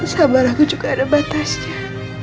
sabar aku juga ada batasnya